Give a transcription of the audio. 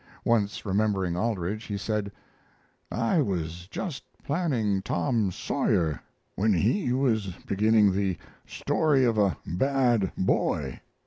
Once, remembering Aldrich, he said: "I was just planning Tom Sawyer when he was beginning the 'Story of a Bad Boy'.